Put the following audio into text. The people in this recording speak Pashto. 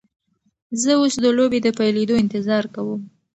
زه اوس د لوبې د پیلیدو انتظار کوم.